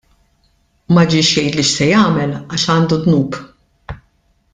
Ma ġiex jgħidli x'se jagħmel għax għandu d-dnub.